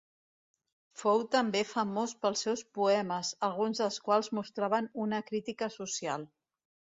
Fou també famós pels seus poemes, alguns dels quals mostraven una crítica social.